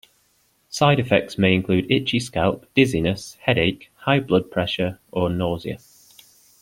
Side effects may include itchy scalp; dizziness, headache, high blood pressure or nausea.